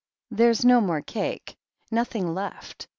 "There's no more cake — ^nothing left!"